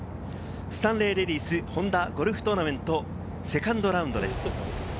スタンレーレディスホンダゴルフトーナメント、２ｎｄラウンドです。